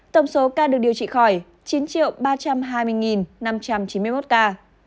tổng số ca được điều trị khỏi chín ba trăm hai mươi năm trăm chín mươi một ca